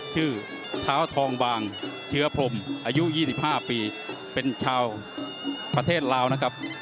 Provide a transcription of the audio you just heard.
เท้าทองบางเชื้อพรมอายุ๒๕ปีเป็นชาวประเทศลาวนะครับ